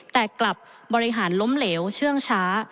แต่กลับบริหารล้มเหลวเชื่องช้า